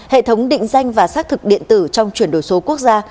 hệ thống định danh và xác thực điện tử trong chuyển đổi số quốc gia